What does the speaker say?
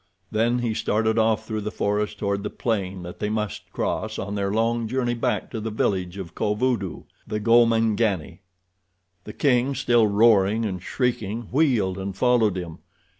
Then he started off through the forest toward the plain that they must cross on their long journey back to the village of Kovudoo, the Gomangani. The king, still roaring and shrieking, wheeled and followed him.